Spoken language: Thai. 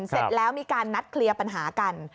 เสร็จแล้วมีการนัดเคลียร์ปัญหากัน